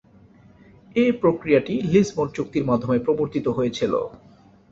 এ প্রক্রিয়াটি লিসবন চুক্তির মাধ্যমে প্রবর্তিত হয়েছিল।